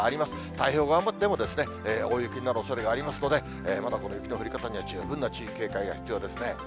太平洋側でも大雪になるおそれがありますので、まだこの雪の降り方には十分な注意、警戒が必要ですね。